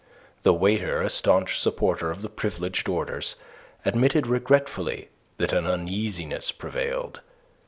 The waiter, a staunch supporter of the privileged orders, admitted regretfully that an uneasiness prevailed.